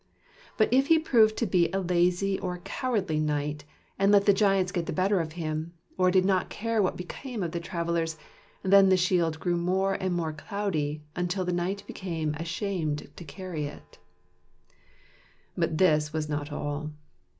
But if he proved to be a lazy or cowardly knight, and let the giants get the better of him, or did not care what became of the travelers, then the shield grew more and more cloudy, until the knight became ashamed to carry it. 2 THE KNIGHTS OF THE SILVER SHIELD But this was not all.